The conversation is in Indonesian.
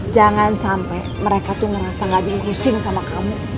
jangan sampe mereka tuh ngerasa gak dikusing sama kamu